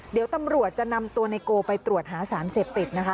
เดี๋ยวตำรวจจะนำตัวไนโกไปตรวจหาสารเสพติดนะคะ